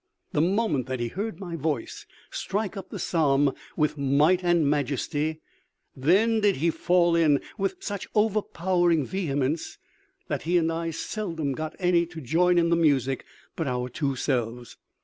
The moment that he heard my voice strike up the psalm 'with might and majesty,' then did he fall in with such overpowering vehemence, that he and I seldom got any to join in the music but our two selves.